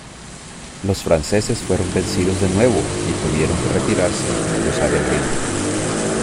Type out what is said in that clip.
Los franceses fueron vencidos de nuevo y tuvieron que retirarse y cruzar el Rin.